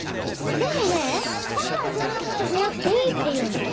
でもねパパはそんなことしなくていいって言うの。